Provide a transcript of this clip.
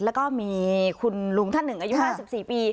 แล้วก็มีคุณลุงท่านหนึ่งอายุ๕๔ปี